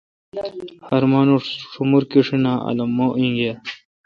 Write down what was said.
ہر مانوش شومور کیشیناں الومہ اینگر